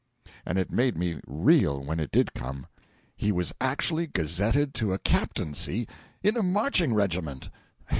And it made me reel when it did come. He was actually gazetted to a captaincy in a marching regiment!